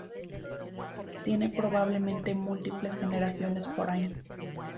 Tiene probablemente múltiples generaciones por año.